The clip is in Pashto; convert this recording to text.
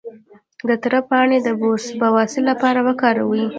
د تره پاڼې د بواسیر لپاره وکاروئ